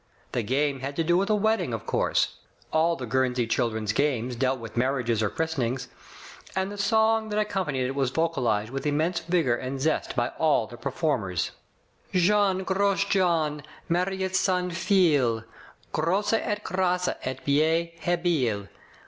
The game had to do with a wedding, of course — all the Guernsey children's games deal with marriages or christenings — and the song that accompanied it was vocalized with immense vigor and zest by all the performers : Jean, gros Jean, marryit sa fille, Grosse et grasse et bie habille.